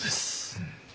うん。